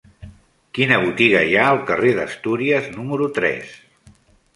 Quina botiga hi ha al carrer d'Astúries número tres?